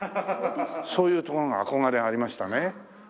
そういうところが憧れありましたねうん。